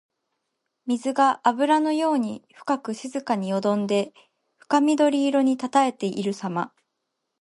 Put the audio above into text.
水があぶらのように深く静かによどんで深緑色にたたえているさま。